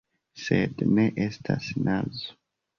Sed ne estas nazo.